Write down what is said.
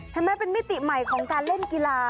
เห็นไหมเป็นมิติใหม่ของการเล่นกีฬา